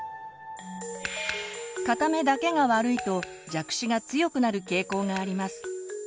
片目だけが悪いと弱視が強くなる傾向があります。